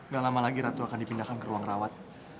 gak lama lagi ratu akan dipindahkan ke ruang rawat